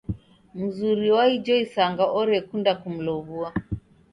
Mzuri wa ijo isanga orekunda kumlow'ua.